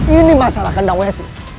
ini masalah kandang waisi